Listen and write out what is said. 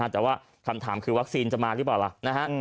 แต่ว่าคำถามคือวัคซีนจะมาหรือเปล่า